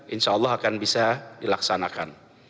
insyaallah akan bisa dilaksanakan